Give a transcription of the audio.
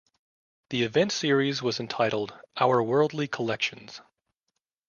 The event series was entitled 'Our Worldly Collections'.